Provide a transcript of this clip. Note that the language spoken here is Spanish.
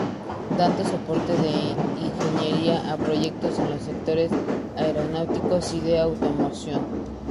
Dando soporte de ingeniería a proyectos en los sectores aeronáutico y de automoción.